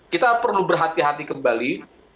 kita perlu berhati hati kembali